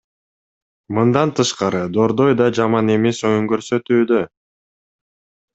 Мындан тышкары, Дордой да жаман эмес оюн көрсөтүүдө.